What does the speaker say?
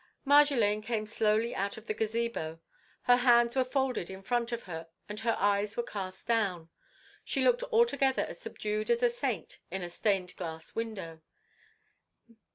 Marjolaine came slowly out of the Gazebo. Her hands were folded in front of her and her eyes were cast down. She looked altogether as subdued as a Saint in a stained glass window.